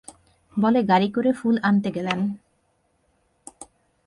বলে গাড়ি করে ফুল আনতে গেলেন।